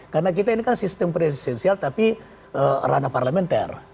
karena kita ini kan sistem presensial tapi rana parlementer